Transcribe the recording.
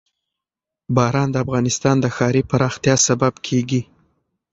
باران د افغانستان د ښاري پراختیا سبب کېږي.